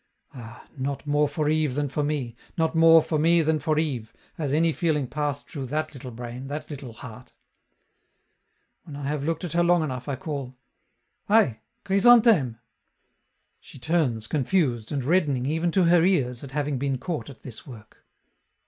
Ah! not more for Yves than for me, not more for me than for Yves, has any feeling passed through that little brain, that little heart. When I have looked at her long enough, I call: "Hi! Chrysantheme!" She turns confused, and reddening even to her ears at having been caught at this work.